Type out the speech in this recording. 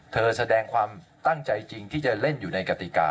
แสดงความตั้งใจจริงที่จะเล่นอยู่ในกติกา